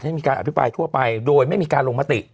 ให้มีการอภิปรายทั่วไปโดยไม่มีการลงมติ